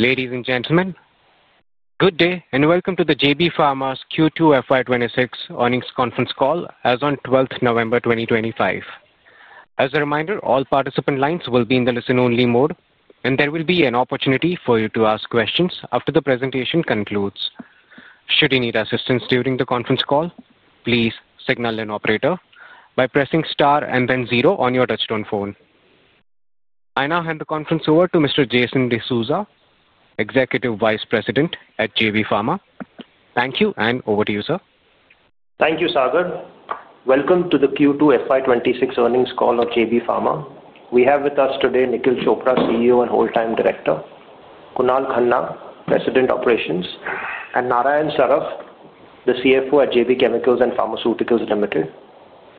Ladies and gentlemen, good day and welcome to the JB Pharma's Q2 FY 2026 earnings conference call as of 12th November 2025. As a reminder, all participant lines will be in the listen-only mode, and there will be an opportunity for you to ask questions after the presentation concludes. Should you need assistance during the conference call, please signal an operator by pressing star and then zero on your touchstone phone. I now hand the conference over to Mr. Jason D'Souza, Executive Vice President at JB Pharma. Thank you, and over to you, sir. Thank you, Sagar. Welcome to the Q2 FY 2026 earnings call of JB Pharma. We have with us today Nikhil Chopra, CEO and Whole-Time Director; Kunal Khanna, President Operations; and Narayan Saraf, the CFO at JB Chemicals & Pharmaceuticals Limited.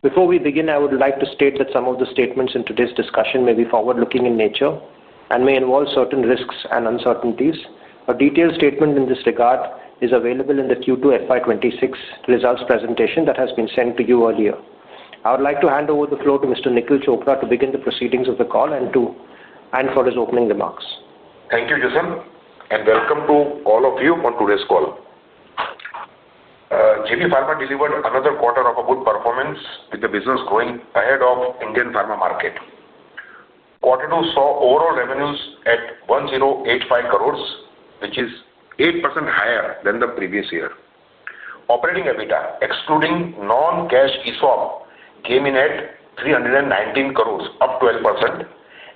Before we begin, I would like to state that some of the statements in today's discussion may be forward-looking in nature and may involve certain risks and uncertainties. A detailed statement in this regard is available in the Q2 FY 2026 results presentation that has been sent to you earlier. I would like to hand over the floor to Mr. Nikhil Chopra to begin the proceedings of the call and for his opening remarks. Thank you, Jason, and welcome to all of you on today's call. JB Pharma delivered another quarter of a good performance, with the business growing ahead of the Indian pharma market. Quarter two saw overall revenues at 1,085 crores, which is 8% higher than the previous year. Operating EBITDA, excluding non-cash ESOP, came in at 319 crores, up 12%,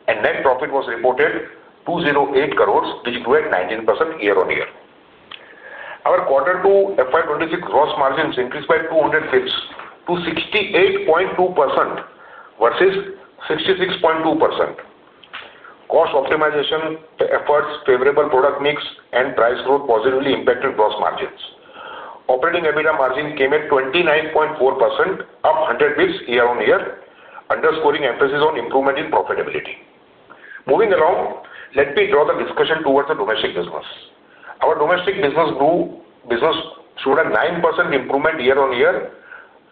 and net profit was reported at 208 crores, which grew at 19% year-on-year. Our Q2 FY 2026 gross margins increased by 200 basis points, to 68.2% versus 66.2%. Cost optimization efforts, favorable product mix, and price growth positively impacted gross margins. Operating EBITDA margin came at 29.4%, up 100 basis points year-on-year, underscoring emphasis on improvement in profitability. Moving along, let me draw the discussion towards the domestic business. Our domestic business grew, showed a 9% improvement year-on-year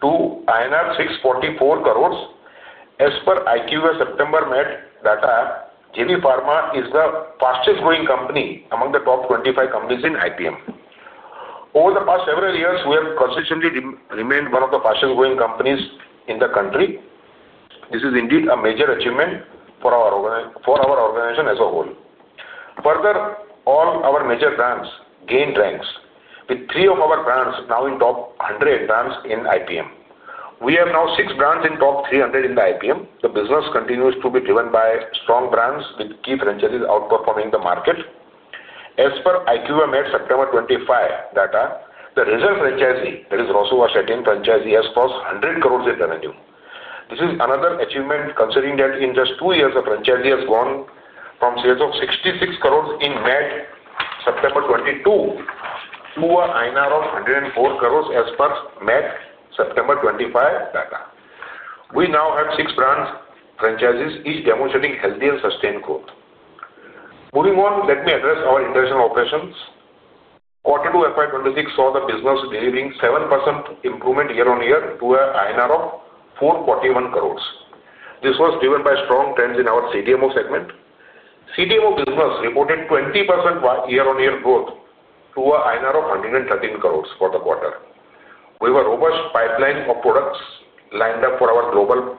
to INR 644 crores. As per IQVIA September MAT data, JB Pharma is the fastest-growing company among the top 25 companies in IPM. Over the past several years, we have consistently remained one of the fastest-growing companies in the country. This is indeed a major achievement for our organization as a whole. Further, all our major brands gained ranks, with three of our brands now in the top 100 brands in IPM. We have now six brands in the top 300 in the IPM. The business continues to be driven by strong brands, with key franchises outperforming the market. As per IQVIA September 2023 data, the Rosuvastatin franchise, that is Rosuvastatin franchise, has crossed 100 crore in revenue. This is another achievement, considering that in just two years, the franchise has gone from sales of 66 crore in MAT September 2022 to 104 crore INR as per MAT September 2023 data. We now have six brands, franchises, each demonstrating healthy and sustained growth. Moving on, let me address our international operations. Q2 FY 2026 saw the business delivering 7% improvement year-on-year to an INR 441 crores. This was driven by strong trends in our CDMO segment. CDMO business reported 20% year-on-year growth to an INR 113 crores for the quarter. We have a robust pipeline of products lined up for our global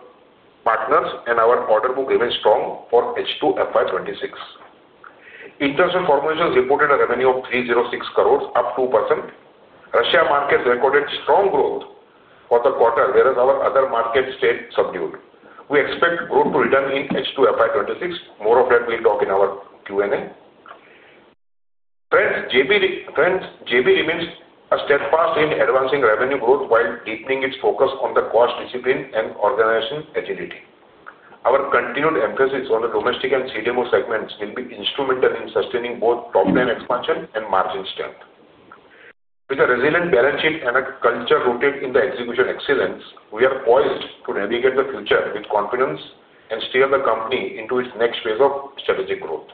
partners, and our order book remains strong for H2 FY 2026. International formulations reported a revenue of 306 crores, up 2%. Russia market recorded strong growth for the quarter, whereas our other markets stayed subdued. We expect growth to return in H2 FY 2026. More of that, we'll talk in our Q&A. Friends, JB remains steadfast in advancing revenue growth while deepening its focus on the cost discipline and organization agility. Our continued emphasis on the domestic and CDMO segments will be instrumental in sustaining both top-line expansion and margin strength. With a resilient balance sheet and a culture rooted in execution excellence, we are poised to navigate the future with confidence and steer the company into its next phase of strategic growth.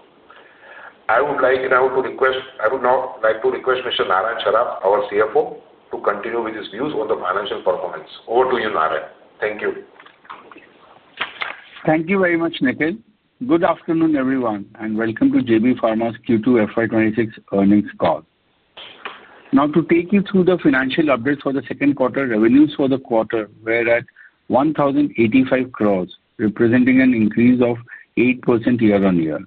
I would like now to request Mr. Narayan Saraf, our CFO, to continue with his views on the financial performance. Over to you, Narayan. Thank you. Thank you very much, Nikhil. Good afternoon, everyone, and welcome to JB Pharma's Q2 FY 2026 earnings call. Now, to take you through the financial updates for the second quarter, revenues for the quarter were at 1,085 crores, representing an increase of 8% year-on-year.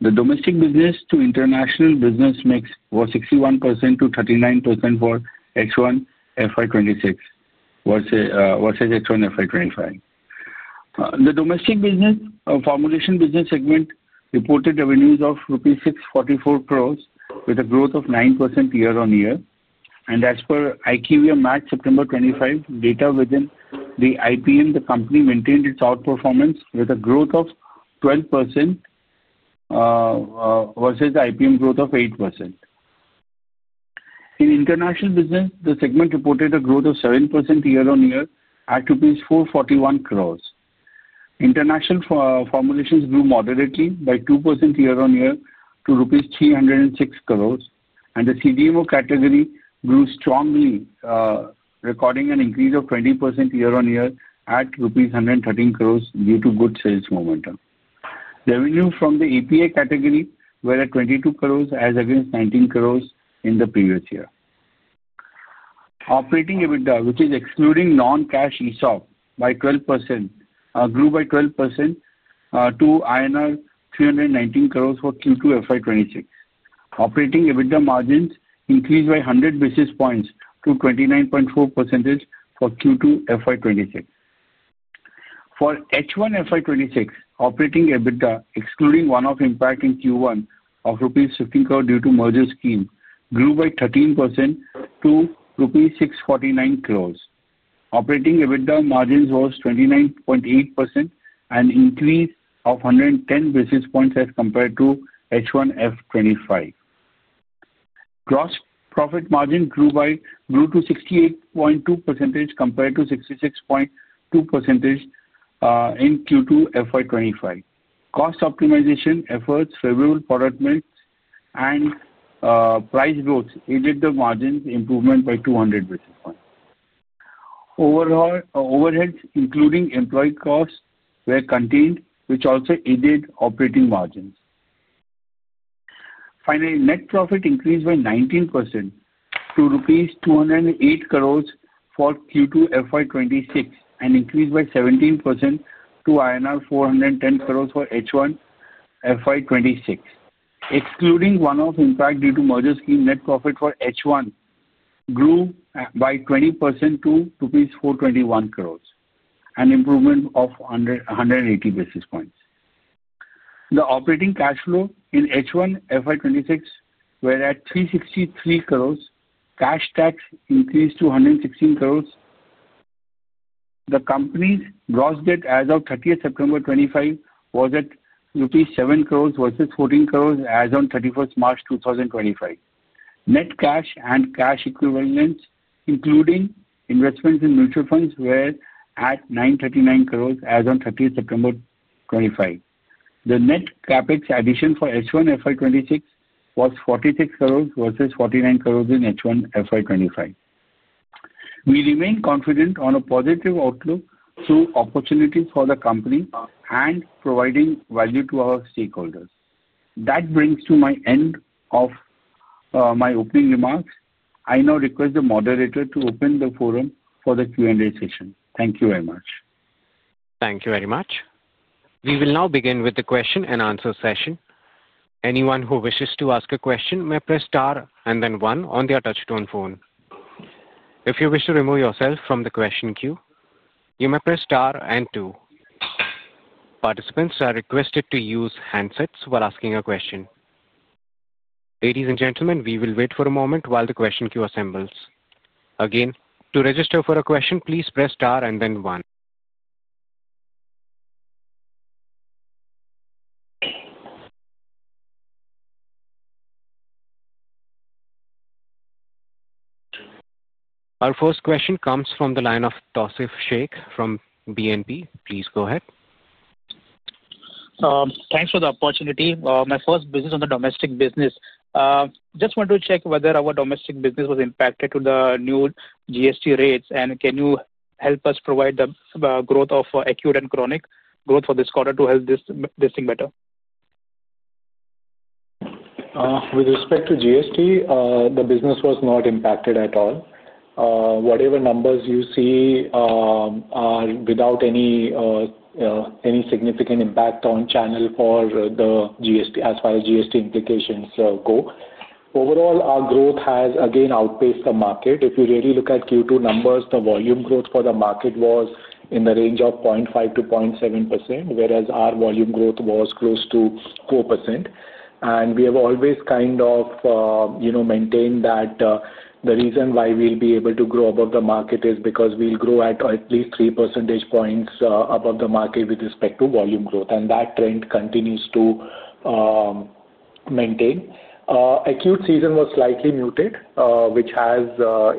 The domestic business to international business mix was 61% to 39% for H1 FY 2026 versus H1 FY 2025. The domestic formulation business segment reported revenues of rupee 644 crores, with a growth of 9% year-on-year. As per IQVIA March-September 2025 data within the IPM, the company maintained its outperformance with a growth of 12% versus the IPM growth of 8%. In international business, the segment reported a growth of 7% year-on-year at rupees 441 crores. International formulations grew moderately by 2% year-on-year to rupees 306 crores, and the CDMO category grew strongly, recording an increase of 20% year-on-year at rupees 113 crores due to good sales momentum. Revenue from the API category was at 22 crores, as against 19 crores in the previous year. Operating EBITDA, which is excluding non-cash ESOP, grew by 12% to INR 319 crores for Q2 FY 2026. Operating EBITDA margins increased by 100 basis points to 29.4% for Q2 FY 2026. For H1 FY 2026, operating EBITDA, excluding one-off impact in Q1 of rupees 15 crores due to merger scheme, grew by 13% to rupees 649 crores. Operating EBITDA margins were 29.8%, an increase of 110 basis points as compared to H1 FY 2025. Gross profit margin grew to 68.2% compared to 66.2% in Q2 FY 2025. Cost optimization efforts, favorable product mix, and price growth aided the margins' improvement by 200 basis points. Overheads including employee costs were contained, which also aided operating margins. Finally, net profit increased by 19% to rupees 208 crores for Q2 FY 2026 and increased by 17% to INR 410 crores for H1 FY 2026. Excluding one-off impact due to merger scheme, net profit for H1 grew by 20% to 421 crores, an improvement of 180 basis points. The operating cash flow in H1 FY 2026 was at 363 crores. Cash tax increased to 116 crores. The company's gross debt as of 30 September 2025 was at rupees 7 crores versus 14 crores as of 31 March 2025. Net cash and cash equivalents, including investments in mutual funds, were at 939 crores as of 30 September 2025. The net capex addition for H1 FY 2026 was 46 crores versus 49 crores in H1 FY25. We remain confident on a positive outlook through opportunities for the company and providing value to our stakeholders. That brings to my end of my opening remarks. I now request the moderator to open the forum for the Q&A session. Thank you very much. Thank you very much. We will now begin with the question-and-answer session. Anyone who wishes to ask a question may press star and then one on their touchstone phone. If you wish to remove yourself from the question queue, you may press star and two. Participants are requested to use handsets while asking a question. Ladies and gentlemen, we will wait for a moment while the question queue assembles. Again, to register for a question, please press star and then one. Our first question comes from the line of Tausif Shaikh from BNP. Please go ahead. Thanks for the opportunity. My first business on the domestic business. Just want to check whether our domestic business was impacted by the new GST rates, and can you help us provide the growth of acute and chronic growth for this quarter to help this thing better? With respect to GST, the business was not impacted at all. Whatever numbers you see are without any significant impact on channel as far as GST implications go. Overall, our growth has again outpaced the market. If you really look at Q2 numbers, the volume growth for the market was in the range of 0.5%-0.7%, whereas our volume growth was close to 2%. We have always kind of maintained that the reason why we will be able to grow above the market is because we will grow at at least 3 percentage points above the market with respect to volume growth, and that trend continues to maintain. Acute season was slightly muted, which has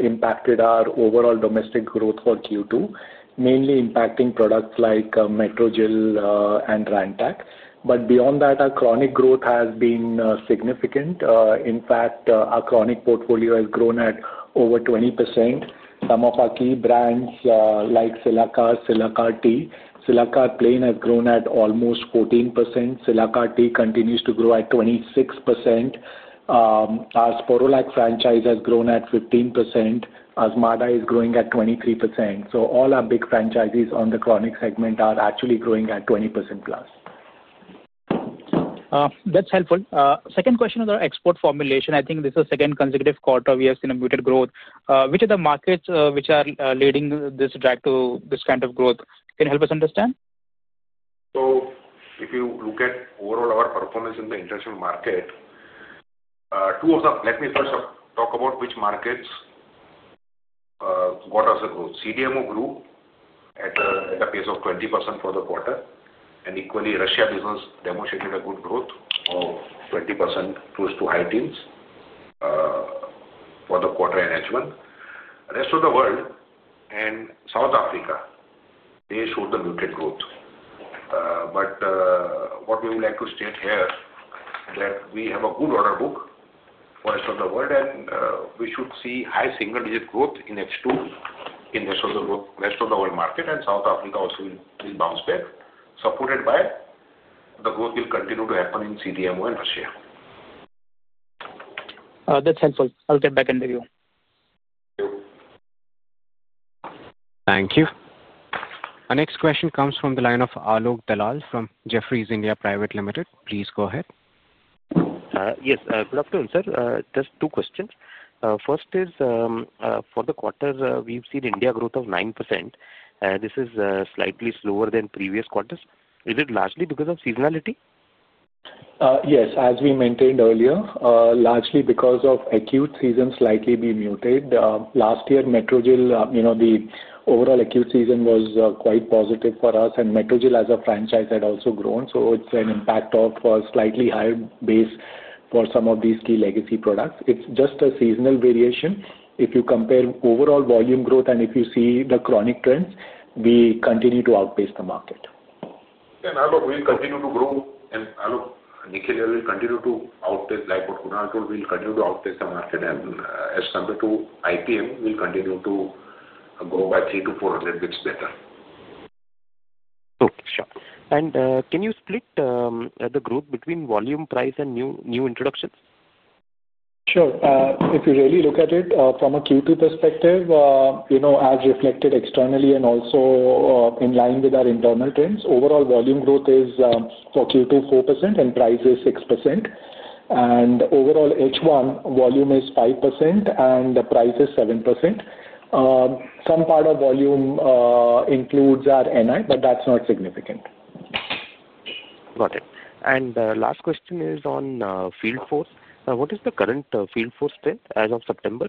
impacted our overall domestic growth for Q2, mainly impacting products like Metrogyl and Rantac. Beyond that, our chronic growth has been significant. In fact, our chronic portfolio has grown at over 20%. Some of our key brands like Cilacar, Cilacar T, Cilacar Plain have grown at almost 14%. Cilacar T continues to grow at 26%. Our Sporlac franchise has grown at 15%. Azmarda is growing at 23%. All our big franchises on the chronic segment are actually growing at 20% plus. That's helpful. Second question on the export formulation. I think this is the second consecutive quarter we have seen muted growth. Which are the markets which are leading this track to this kind of growth? Can you help us understand? If you look at overall our performance in the international market, two of the—let me first talk about which markets got us a growth. CDMO grew at a pace of 20% for the quarter, and equally, Russia business demonstrated a good growth of 20%, close to high teens for the quarter and H1. The rest of the world and South Africa, they showed the muted growth. What we would like to state here is that we have a good order book for the rest of the world, and we should see high single-digit growth in H2 in the rest of the world market, and South Africa also will bounce back, supported by the growth that will continue to happen in CDMO and Russia. That's helpful. I'll get back to you. Thank you. Our next question comes from the line of Alok Dalal from Jefferies India Private Limited. Please go ahead. Yes. Good afternoon, sir. Just two questions. First is, for the quarter, we've seen India growth of 9%. This is slightly slower than previous quarters. Is it largely because of seasonality? Yes. As we maintained earlier, largely because of acute season slightly being muted. Last year, Metrogyl, the overall acute season was quite positive for us, and Metrogyl as a franchise had also grown. It is an impact of a slightly higher base for some of these key legacy products. It is just a seasonal variation. If you compare overall volume growth and if you see the chronic trends, we continue to outpace the market. Alok, we'll continue to grow, and Alok, Nikhil will continue to outpace like what Kunal told. We'll continue to outpace the market, and as compared to IPM, we'll continue to grow by 300 to 400 basis points better. Sure. Can you split the growth between volume, price, and new introductions? Sure. If you really look at it from a Q2 perspective, as reflected externally and also in line with our internal trends, overall volume growth is for Q2 4% and price is 6%. Overall H1 volume is 5% and the price is 7%. Some part of volume includes our NI, but that's not significant. Got it. The last question is on Fieldforce. What is the current Fieldforce trend as of September?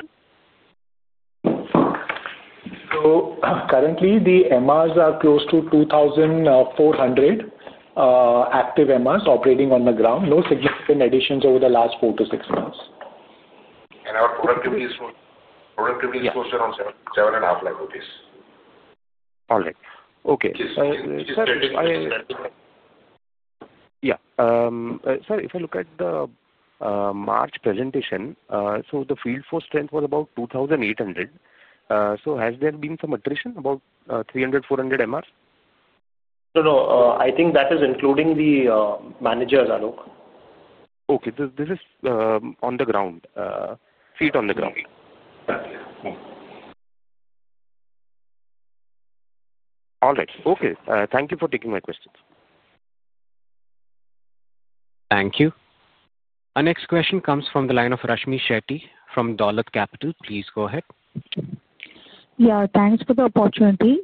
Currently, the MRs are close to 2,400 active MRs operating on the ground. No significant additions over the last four to six months. Our productivity is closer to INR 7,500,000. All right. Okay. Yeah. Sir, if I look at the March presentation, so the Fieldforce trend was about 2,800. So has there been some attrition, about 300-400 MRs? No, no. I think that is including the managers, Alok. Okay. This is on the ground, feet on the ground. All right. Okay. Thank you for taking my questions. Thank you. Our next question comes from the line of Rashmmi Shetty from Dolat Capital. Please go ahead. Yeah. Thanks for the opportunity.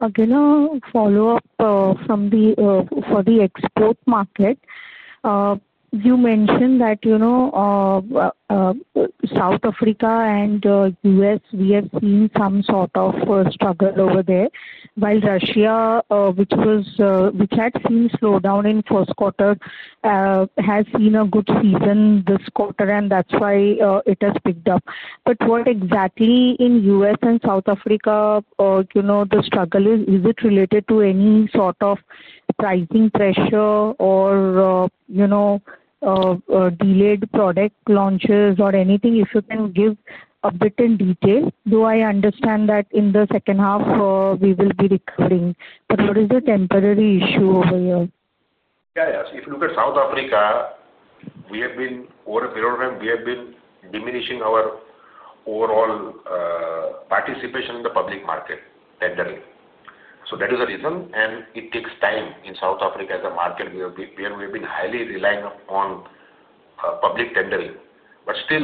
Again, a follow-up from the export market. You mentioned that South Africa and U.S., we have seen some sort of struggle over there. While Russia, which had seen a slowdown in the first quarter, has seen a good season this quarter, and that is why it has picked up. What exactly in the U.S. and South Africa, the struggle is? Is it related to any sort of pricing pressure or delayed product launches or anything? If you can give a bit in detail, though I understand that in the second half, we will be recovering. What is the temporary issue over here? Yeah. Yeah. If you look at South Africa, we have been, over a period of time, diminishing our overall participation in the public market tendering. That is the reason, and it takes time in South Africa as a market where we have been highly relying upon public tendering. Still,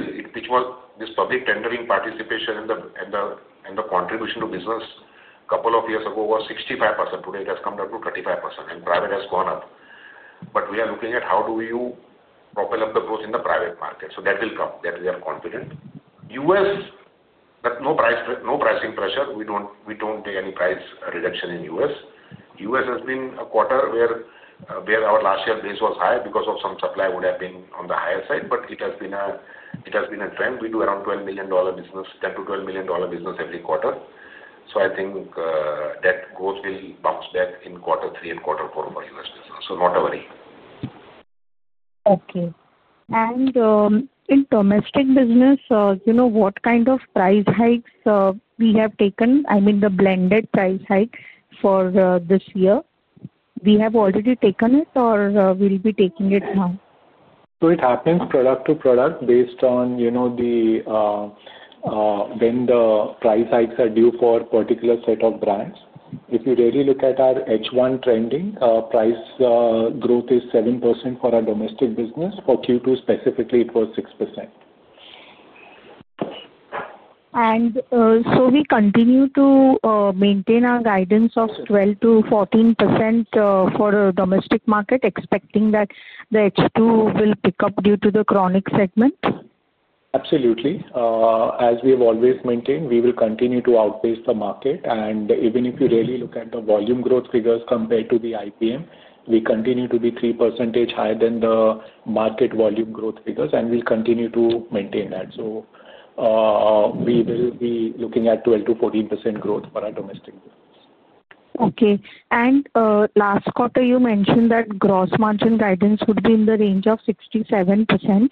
this public tendering participation and the contribution to business a couple of years ago was 65%. Today, it has come down to 35%, and private has gone up. We are looking at how you propel up the growth in the private market. That will come. We are confident. U.S., no pricing pressure. We do not take any price reduction in the U.S., U.S. has been a quarter where our last year base was high because some supply would have been on the higher side, but it has been a trend. We do around $10 million-$12 million business every quarter. I think that growth will bounce back in quarter three and quarter four for U.S. business. Not a worry. Okay. In domestic business, what kind of price hikes have we taken? I mean, the blended price hike for this year. Have we already taken it or will we be taking it now? It happens product to product based on when the price hikes are due for a particular set of brands. If you really look at our H1 trending, price growth is 7% for our domestic business. For Q2 specifically, it was 6%. We continue to maintain our guidance of 12%-14% for the domestic market, expecting that the H2 will pick up due to the chronic segment. Absolutely. As we have always maintained, we will continue to outpace the market. Even if you really look at the volume growth figures compared to the IPM, we continue to be 3% higher than the market volume growth figures, and we'll continue to maintain that. We will be looking at 12%-14% growth for our domestic business. Okay. Last quarter, you mentioned that gross margin guidance would be in the range of 67%.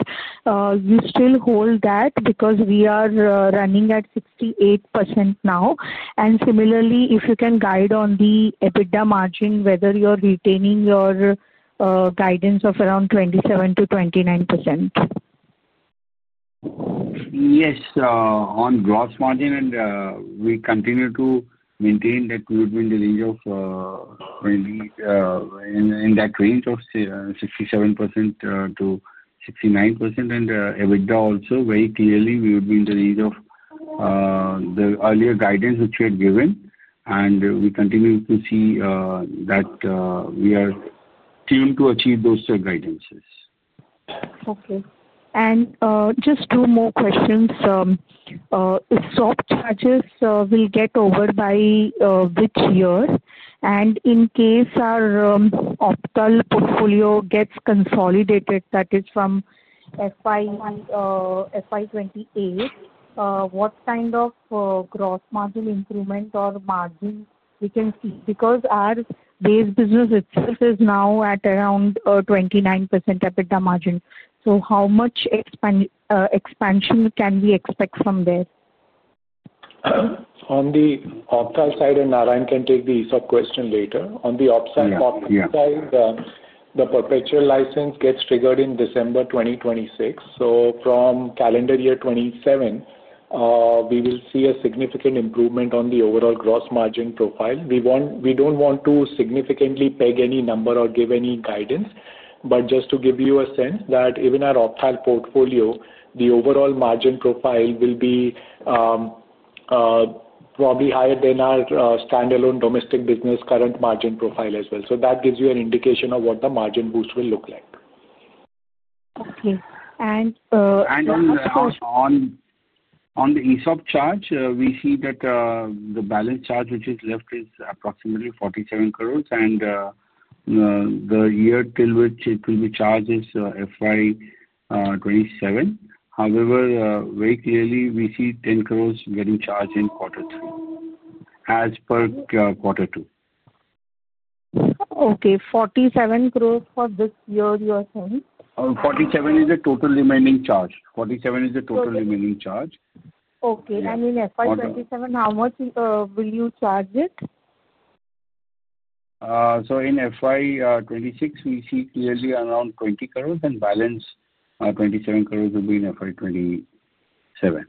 You still hold that because we are running at 68% now. Similarly, if you can guide on the EBITDA margin, whether you're retaining your guidance of around 27%-29%? Yes. On gross margin, we continue to maintain that we would be in the range of 67%-69%. EBITDA also, very clearly, we would be in the range of the earlier guidance which we had given. We continue to see that we are tuned to achieve those guidances. Okay. Just two more questions. Soft charges will get over by which year? In case our optical portfolio gets consolidated, that is from FY 2028, what kind of gross margin improvement or margin can we see? Our base business itself is now at around 29% EBITDA margin. How much expansion can we expect from there? On the optical side, and Narayan can take the ESOP question later. On the optical side, the perpetual license gets triggered in December 2026. From calendar year 2027, we will see a significant improvement on the overall gross margin profile. We do not want to significantly peg any number or give any guidance, but just to give you a sense that even our optical portfolio, the overall margin profile will be probably higher than our standalone domestic business current margin profile as well. That gives you an indication of what the margin boost will look like. Okay. And. On the ESOP charge, we see that the balance charge which is left is approximately 47 crore, and the year till which it will be charged is FY 2025. However, very clearly, we see 10 crore getting charged in quarter three as per quarter two. Okay. 47 crores for this year, you are saying? 47 crores is the total remaining charge. Okay. In FY 2027, how much will you charge it? In FY 2026, we see clearly around 20 crores, and balance 27 crores will be in FY 2027.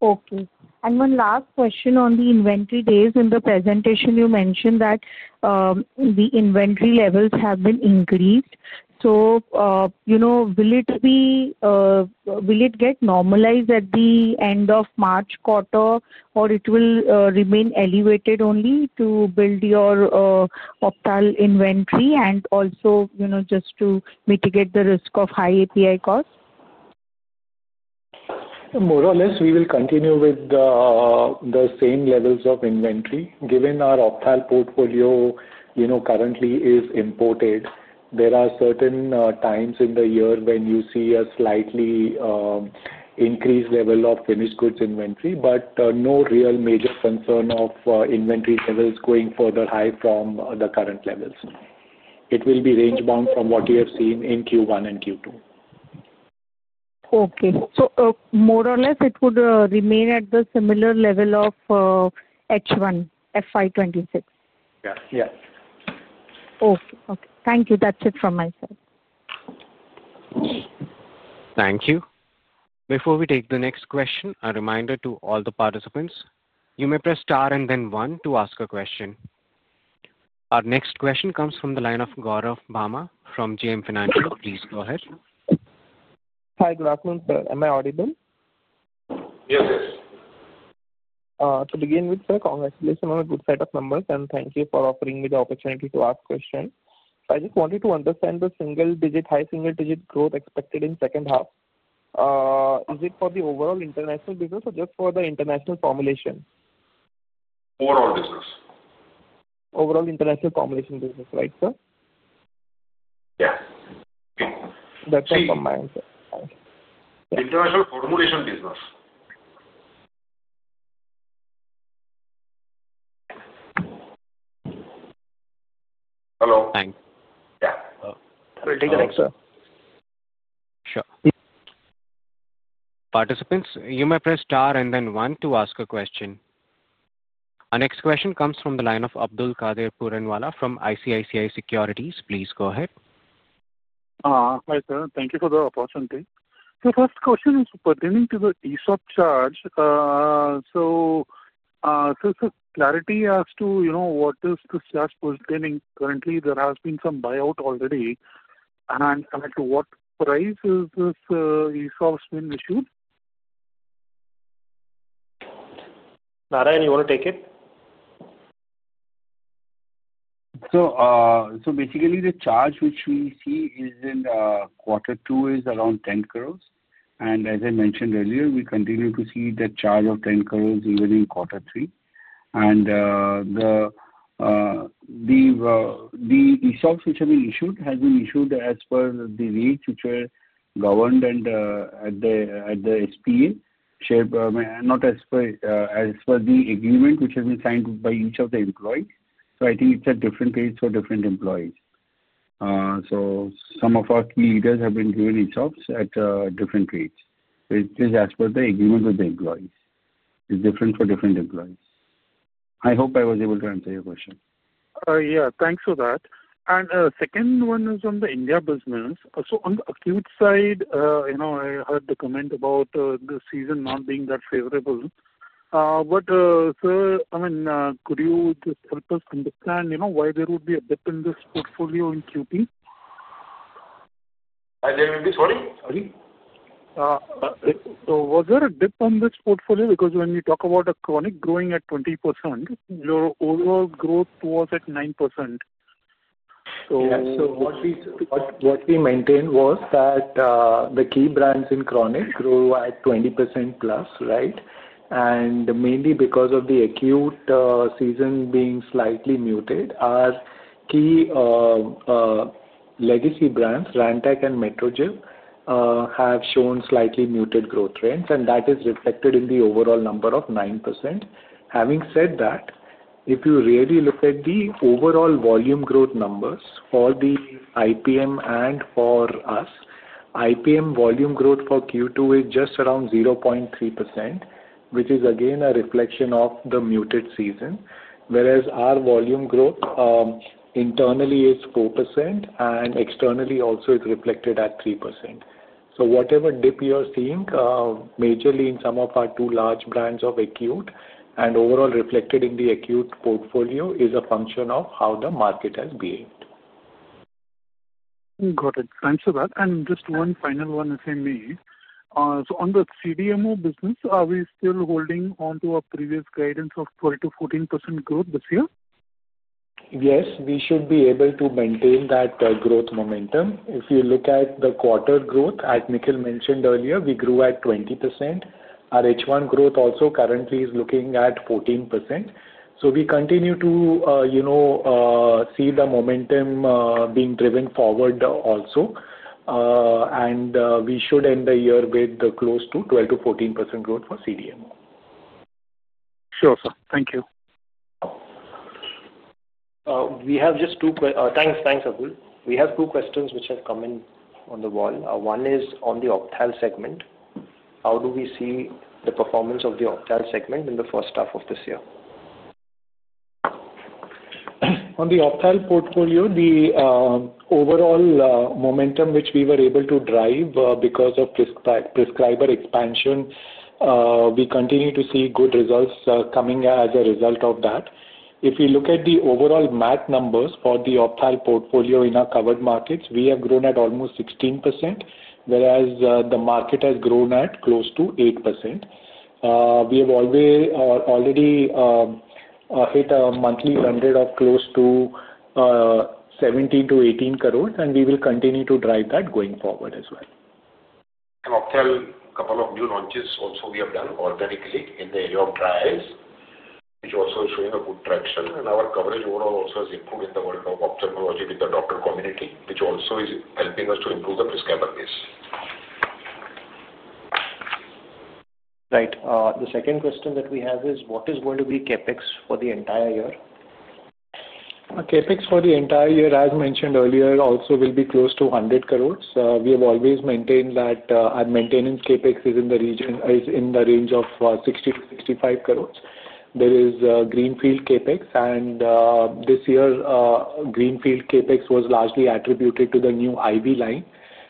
Okay. One last question on the inventory days. In the presentation, you mentioned that the inventory levels have been increased. Will it get normalized at the end of March quarter, or will it remain elevated only to build your optical inventory and also just to mitigate the risk of high API costs? More or less, we will continue with the same levels of inventory. Given our optical portfolio currently is imported, there are certain times in the year when you see a slightly increased level of finished goods inventory, but no real major concern of inventory levels going further high from the current levels. It will be range-bound from what we have seen in Q1 and Q2. Okay. So more or less, it would remain at the similar level of H1, FY 2026? Yeah. Yeah. Okay. Okay. Thank you. That's it from my side. Thank you. Before we take the next question, a reminder to all the participants. You may press star and then one to ask a question. Our next question comes from the line of Gourav Bhama from JM Financial. Please go ahead. Hi, good afternoon, sir. Am I audible? Yes, yes. To begin with, sir, congratulations on a good set of numbers, and thank you for offering me the opportunity to ask questions. I just wanted to understand the high single-digit growth expected in the second half. Is it for the overall international business or just for the international formulation? Overall business. Overall international formulation business, right, sir? Yes. That's all from my side. International formulation business. Hello. Thanks. Yeah. We'll take a look, sir. Sure. Participants, you may press star and then one to ask a question. Our next question comes from the line of Abdul Kader Puranwala from ICICI Securities. Please go ahead. Hi, sir. Thank you for the opportunity. The first question is pertaining to the ESOP charge. So clarity as to what is this charge pertaining currently, there has been some buyout already. To what price is this ESOP being issued? Narayan, you want to take it? Basically, the charge which we see in quarter two is around 10 crore. As I mentioned earlier, we continue to see that charge of 10 crore even in quarter three. The ESOPs which have been issued have been issued as per the rates which were governed at the SPA, not as per the agreement which has been signed by each of the employees. I think it is at different rates for different employees. Some of our key leaders have been given ESOPs at different rates. It is as per the agreement with the employees. It is different for different employees. I hope I was able to answer your question. Yeah. Thanks for that. The second one is on the India business. On the acute side, I heard the comment about the season not being that favorable. Sir, I mean, could you just help us understand why there would be a dip in this portfolio in Q2? Sorry? Was there a dip in this portfolio? Because when you talk about a chronic growing at 20%, your overall growth was at 9%. Yeah. So what we maintained was that the key brands in chronic grew at 20% plus, right? And mainly because of the acute season being slightly muted, our key legacy brands, Rantac and Metrogyl, have shown slightly muted growth trends, and that is reflected in the overall number of 9%. Having said that, if you really look at the overall volume growth numbers for the IPM and for us, IPM volume growth for Q2 is just around 0.3%, which is again a reflection of the muted season. Whereas our volume growth internally is 4% and externally also is reflected at 3%. So whatever dip you are seeing, majorly in some of our two large brands of acute and overall reflected in the acute portfolio is a function of how the market has behaved. Got it. Thanks for that. Just one final one if I may. On the CDMO business, are we still holding on to our previous guidance of 12%-14% growth this year? Yes. We should be able to maintain that growth momentum. If you look at the quarter growth, as Nikhil mentioned earlier, we grew at 20%. Our H1 growth also currently is looking at 14%. We continue to see the momentum being driven forward also. We should end the year with close to 12%-14% growth for CDMO. Sure, sir. Thank you. We have just two, thanks, thanks, Abdul. We have two questions which have come in on the wall. One is on the optical segment. How do we see the performance of the optical segment in the first half of this year? On the optical portfolio, the overall momentum which we were able to drive because of prescriber expansion, we continue to see good results coming as a result of that. If you look at the overall MAT numbers for the optical portfolio in our covered markets, we have grown at almost 16%, whereas the market has grown at close to 8%. We have already hit a monthly blended of close to 17 crores-18 crores, and we will continue to drive that going forward as well. Optical, a couple of new launches also we have done organically in the area of dry eyes, which also is showing a good traction. Our coverage overall also has improved in the world of ophthalmology with the doctor community, which also is helping us to improve the prescriber base. Right. The second question that we have is, what is going to be CapEx for the entire year? CapEx for the entire year, as mentioned earlier, also will be close to 100 crore. We have always maintained that our maintenance CapEx is in the range of INR 60crore-INR 65 crore. There is Greenfield CapEx, and this year, Greenfield CapEx was largely attributed to the new IV line,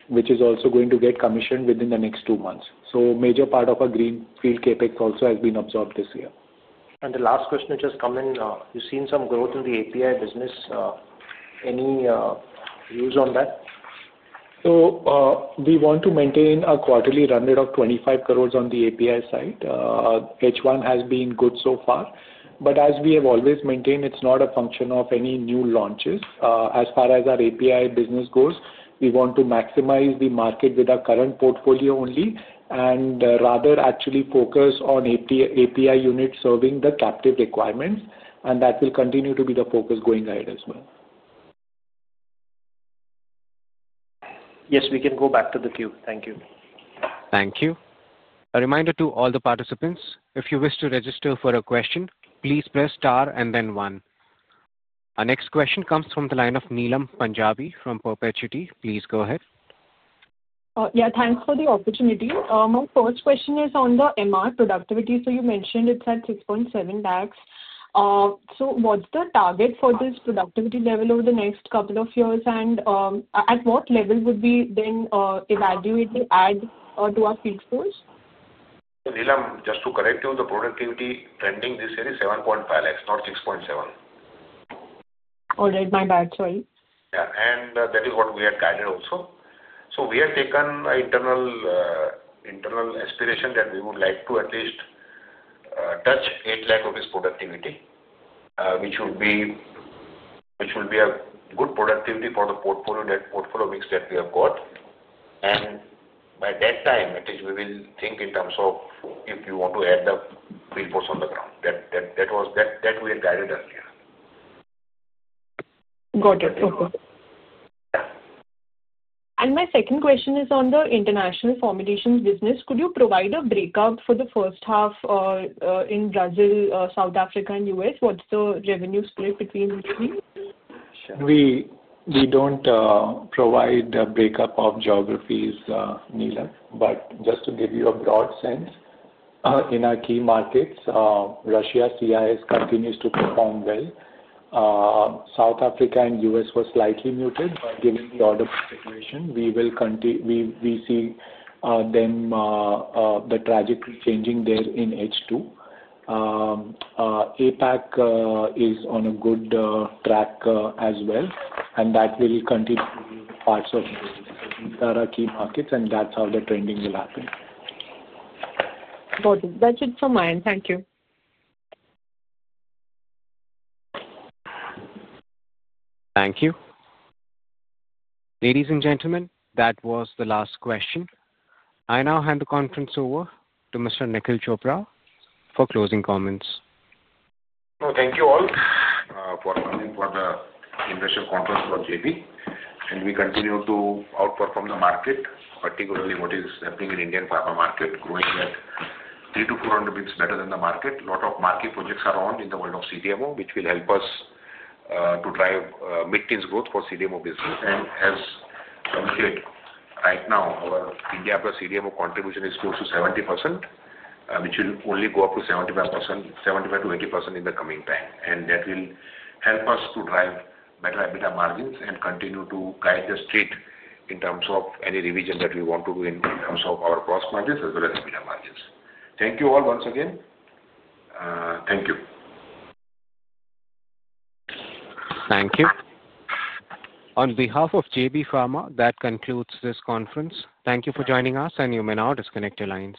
which is also going to get commissioned within the next two months. A major part of our Greenfield CapEx also has been absorbed this year. The last question which has come in, you've seen some growth in the API business. Any views on that? We want to maintain a quarterly run rate of 25 crore on the API side. H1 has been good so far. As we have always maintained, it's not a function of any new launches. As far as our API business goes, we want to maximize the market with our current portfolio only and rather actually focus on API units serving the captive requirements. That will continue to be the focus going ahead as well. Yes, we can go back to the queue. Thank you. Thank you. A reminder to all the participants, if you wish to register for a question, please press star and then one. Our next question comes from the line of Neelam Punjabi from Perpetuity. Please go ahead. Yeah. Thanks for the opportunity. My first question is on the MR productivity. You mentioned it's at 6.7 lakhs. What's the target for this productivity level over the next couple of years? At what level would we then evaluate the add to our fieldforce? Neelam, just to correct you, the productivity trending this year is 7.5 lakhs, not 6.7. All right. My bad. Sorry. Yeah. That is what we had guided also. We have taken an internal aspiration that we would like to at least touch 800,000 productivity, which would be a good productivity for the portfolio mix that we have got. By that time, we will think in terms of if you want to add the field boots on the ground. That we had guided earlier. Got it. Okay. My second question is on the international formulation business. Could you provide a breakout for the first half in Brazil, South Africa, and U.S.? What's the revenue split between these three? We don't provide the breakup of geographies, Neelam. Just to give you a broad sense, in our key markets, Russia, CIS continues to perform well. South Africa and U.S. were slightly muted, but given the order of the situation, we see then the trajectory changing there in H2. APAC is on a good track as well, and that will continue to be parts of our key markets, and that's how the trending will happen. Got it. That's it from mine. Thank you. Thank you. Ladies and gentlemen, that was the last question. I now hand the conference over to Mr. Nikhil Chopra for closing comments. Thank you all for coming for the investment conference for JB. We continue to outperform the market, particularly what is happening in the Indian pharma market, growing at 300-400 basis points better than the market. A lot of market projects are on in the world of CDMO, which will help us to drive mid-teens growth for CDMO business. As I mentioned, right now, our India plus CDMO contribution is close to 70%, which will only go up to 75%-80% in the coming time. That will help us to drive better EBITDA margins and continue to guide the street in terms of any revision that we want to do in terms of our gross margins as well as EBITDA margins. Thank you all once again. Thank you. Thank you. On behalf of JB Pharma, that concludes this conference. Thank you for joining us, and you may now disconnect your lines.